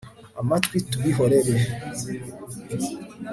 amatwi tubihorere